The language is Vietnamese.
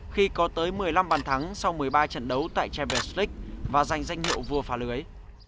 khi có tới một mươi năm bàn thắng sau một mươi ba trận đấu tại champions leage và giành danh hiệu vua phá lưới